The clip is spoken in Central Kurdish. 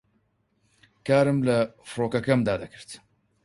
کارم لە فڕۆکەکەمدا دەکرد